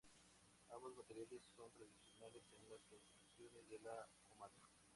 Ambos materiales son tradicionales en las construcciones de la comarca.